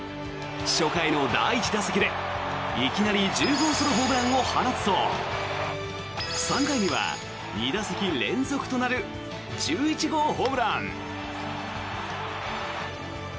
初回の第１打席で、いきなり１０号ソロホームランを放つと３回には２打席連続となる１１号ホームラン。